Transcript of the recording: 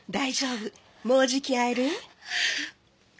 もうじき会えるえ。